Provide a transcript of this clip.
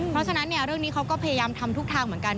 เพราะฉะนั้นเรื่องนี้เขาก็พยายามทำทุกทางเหมือนกัน